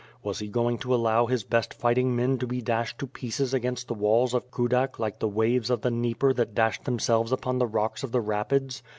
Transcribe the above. Was he going to allow his best fighting men to be dashed to pieces against the walls of Kudak like the waves of the Dnieper that dashed them selres upon the rocks of the rapids?